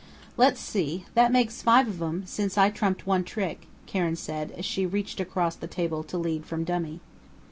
"Let's see that makes five of 'em in, since I trumped one trick," Karen said, as she reached across the table to lead from dummy.